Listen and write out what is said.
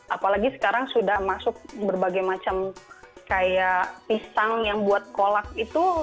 apalagi sekarang sudah masuk berbagai macam kayak pisang yang buat kolak itu